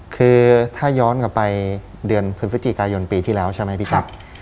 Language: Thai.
คือถ้าย้อนกลับไปเดือนพฤศจิกายนปีที่แล้วใช่ไหมพี่แจ๊ค